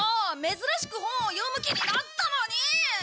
珍しく本を読む気になったのに！